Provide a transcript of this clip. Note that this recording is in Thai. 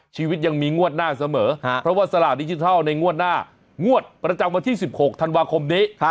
ชีวิตยังมีงวดหน้าเสมอเพราะว่าสลากดิจิทัลในงวดหน้างวดประจำวันที่๑๖ธันวาคมนี้